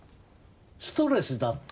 ストレスだって。